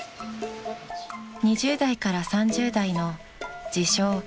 ［２０代から３０代の自称